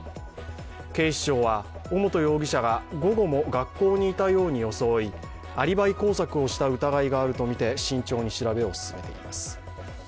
警視庁は尾本容疑者が午後も学校にいたように装い、アリバイ工作をした疑いがあるとみて慎重に調べを進めています。